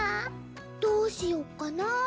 どうしよっかな。